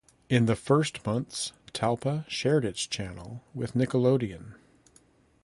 In the first months Talpa shared its channel with Nickelodeon.